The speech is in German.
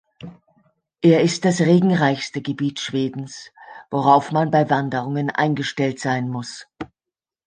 Er ist das regenreichste Gebiet Schwedens, worauf man bei Wanderungen eingestellt sein muss.